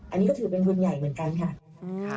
อันนี้ก็ถือเป็นทุนใหญ่เหมือนกันค่ะ